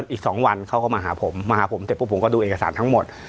อีก๒วันเขาก็มาหาผมมาหาผมเสร็จปุ๊บผมก็ดูเอกสารทั้งหมด